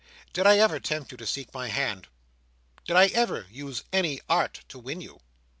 "Did I ever tempt you to seek my hand? Did I ever use any art to win you?